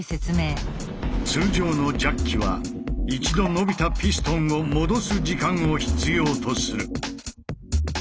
通常のジャッキは一度伸びたピストンを戻す時間を必要とする。